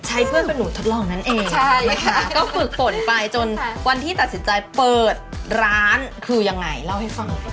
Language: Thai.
เพื่อนของหนูทดลองนั่นเองใช่ค่ะก็ฝึกฝนไปจนวันที่ตัดสินใจเปิดร้านคือยังไงเล่าให้ฟัง